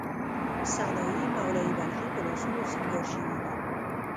سنايي، مولوی بلخي په لاسونو سینګار شوې دي.